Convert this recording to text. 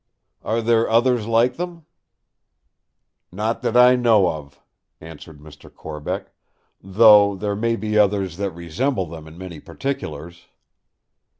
"Are there others like them?" "Not that I know of," answered Mr. Corbeck; "though there may be others that resemble them in many particulars."